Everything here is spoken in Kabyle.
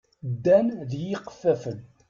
Ddan d yiqeffafen.